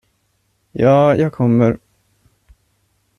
Ja, jag kommer.